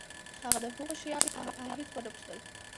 هغه د هغو شیانو په هکله هېڅ ونه پوښتل